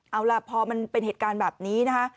เอาล่ะพอมันเป็นเหตุการณ์แบบนี้นะคะ